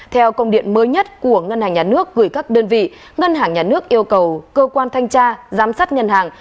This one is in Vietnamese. theo công điện mới nhất của ngân hàng nhà nước gửi các đơn vị ngân hàng nhà nước yêu cầu cơ quan thanh tra giám sát ngân hàng